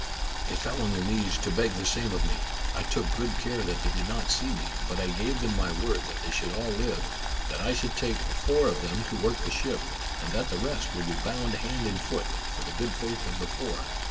They fell on their knees to beg the same of me. I took good care that they did not see me, but I gave them my word that they should all live, that I should take four of them to work the ship, and that the rest would be bound hand and foot, for the good faith of the four.